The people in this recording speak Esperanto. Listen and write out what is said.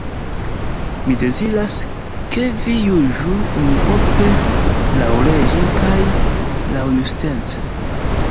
Mi deziras, ke vi juĝu unuope laŭleĝe kaj laŭjustece.